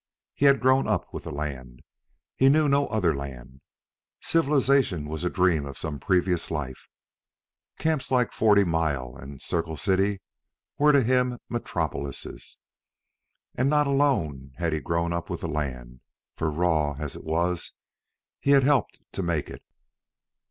He had grown up with the land. He knew no other land. Civilization was a dream of some previous life. Camps like Forty Mile and Circle City were to him metropolises. And not alone had he grown up with the land, for, raw as it was, he had helped to make it.